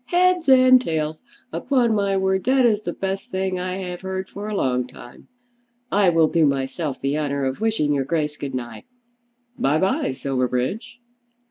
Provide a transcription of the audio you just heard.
Heads and tails. Upon my word that is the best thing I have heard for a long time. I will do myself the honour of wishing your Grace good night. By bye, Silverbridge."